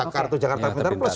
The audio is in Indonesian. kartu jakarta pinter plus